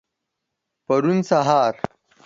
پرون سهار.